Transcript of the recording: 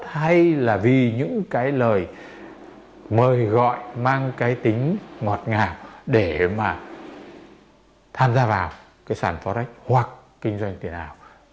hay là vì những cái lời mời gọi mang cái tính ngọt ngào để mà tham gia vào cái sản forex hoặc kinh doanh tiền ảo